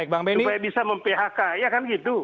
supaya bisa mem phk ya kan gitu